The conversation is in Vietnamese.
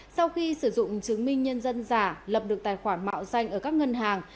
sau khi sử dụng chứng minh nhân dân giả lập được tài khoản mạo danh ở các ngân hàng